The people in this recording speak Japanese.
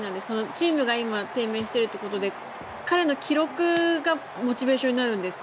チームが低迷しているという中で彼の記録がモチベーションになるんですか。